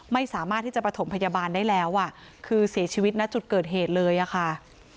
ไม่สามารถที่จะประถมพยาบาลได้แล้วอ่ะคือเสียชีวิตณจุดเกิดเหตุเลยอะค่ะ